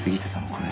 これ。